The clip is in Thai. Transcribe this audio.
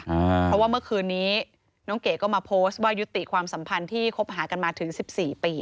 เพราะว่าเมื่อคืนนี้น้องเก๋ก็มาโพสต์ว่ายุติความสัมพันธ์ที่คบหากันมาถึงสิบสี่ปี